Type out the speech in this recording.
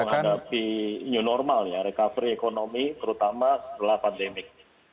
menghadapi new normal ya recovery ekonomi terutama setelah pandemik